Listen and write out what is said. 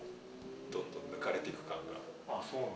どんどん抜かれていく感が。